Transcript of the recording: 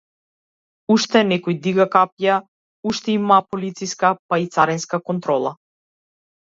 Уште некој дига капија, уште има полициска, па и царинска контрола.